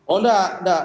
oh enggak enggak